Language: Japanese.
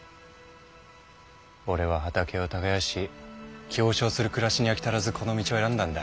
俺は畑を耕し行商をする暮らしに飽き足らずこの道を選んだんだ。